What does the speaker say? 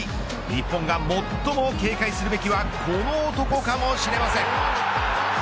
日本が最も警戒するべきはこの男かもしれません。